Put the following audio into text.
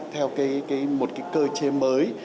theo một cơ chế mới